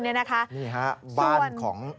นี่ฮะบ้านของสุนัขทั้งสามตัว